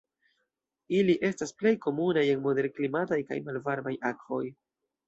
Ili estas plej komunaj en moderklimataj kaj malvarmaj akvoj.